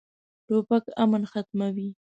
توپک امن ختموي.